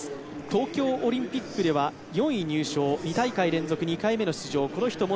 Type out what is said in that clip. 東京オリンピックでは４位入賞、２大会連続２回目の出場。